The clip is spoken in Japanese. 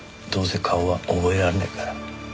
どうせ顔は覚えられねえから。